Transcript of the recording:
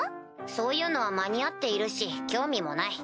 そういうのは間に合っているし興味もない。